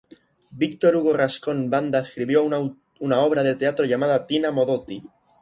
Víctor Hugo Rascón Banda escribió una obra de teatro llamada "Tina Modotti".